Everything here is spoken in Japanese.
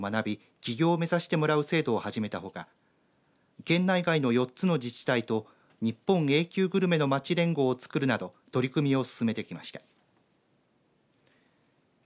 企業を目指してもらう制度を始めたほか県内外の４つの自治体とにっぽんＡ級グルメのまち連合を作るなど取り組みを進めてきました。